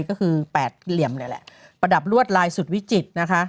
ก็คือแปดเหลี่ยมเลยแหละประดับลวดลายสุดวิจิตรนะคะ